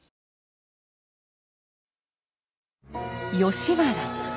吉原。